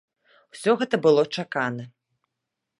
Усё гэта было чакана.